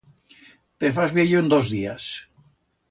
Te fas viello en dos días.